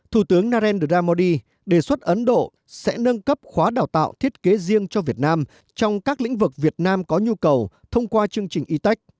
thủ tướng narendra modi đề xuất ấn độ sẽ nâng cấp khóa đào tạo thiết kế riêng cho việt nam trong các lĩnh vực việt nam có nhu cầu thông qua chương trình itec